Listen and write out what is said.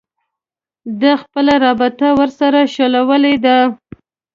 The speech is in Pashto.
ده خپله رابطه ورسره شلولې ده